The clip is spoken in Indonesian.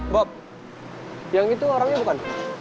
bob yang itu orangnya bukan